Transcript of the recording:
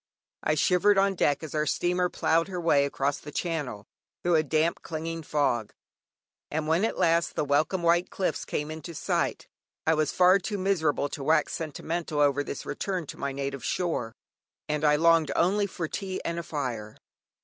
I shivered on deck, as our steamer ploughed her way across the Channel, through a damp clinging fog, and when at last the welcome white cliffs came into sight, I was far too miserable to wax sentimental over this return to my native shore, and I longed only for tea and a fire.